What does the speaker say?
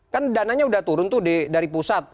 kan dananya udah turun tuh dari pusat